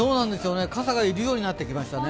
傘がいるようになってきましたね。